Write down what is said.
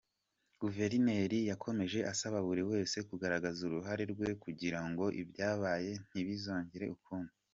Guverineri yakomeje asaba buri wese kugaragaza uruhare rwe kugira ngo ibyabaye ntibizongere ukundi.